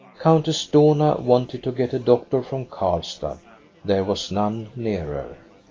"Countess Dohna wanted to get a doctor from Karlstad; there was none nearer.